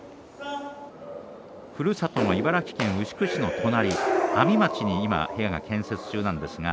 ふるさと、茨城県牛久市の隣阿見町に部屋が建築中です。